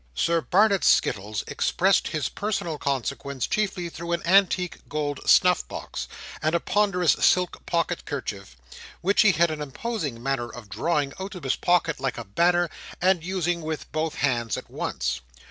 Sir Barnet Skettles expressed his personal consequence chiefly through an antique gold snuffbox, and a ponderous silk pocket kerchief, which he had an imposing manner of drawing out of his pocket like a banner and using with both hands at once.